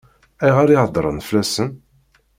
Ayɣer i heddṛen fell-asen?